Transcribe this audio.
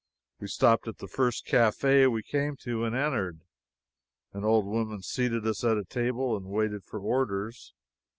We stopped at the first cafe we came to and entered. An old woman seated us at a table and waited for orders.